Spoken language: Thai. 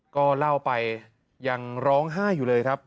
ก็เล่าไปยังร้องไห้อยู่เลยครับ